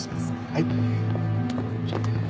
はい。